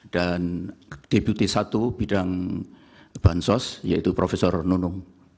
dan debuti satu bidang bansos yaitu profesor nunung